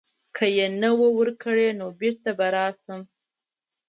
که یې نه وه ورکړې نو بیرته به راشم.